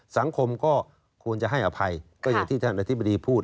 สังคมก็ควรจะให้อภัยก็อย่างที่ท่านอธิบดีพูด